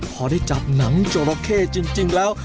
พอได้จับหนังจราเข้จริงแล้ว